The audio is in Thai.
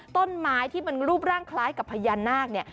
ต้นไม้ที่มันรูปร่างคล้ายกับพญานาคเนี่ย